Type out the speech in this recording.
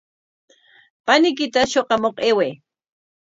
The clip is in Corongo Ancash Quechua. Paniykita shuqamuq ayway.